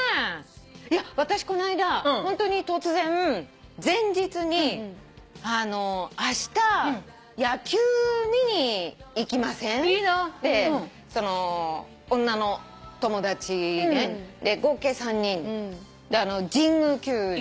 私この間ホントに突然前日に「あした野球見に行きません？」って女の友達合計３人。で神宮球場。